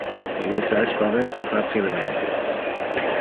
Ille se espaventa facilemente.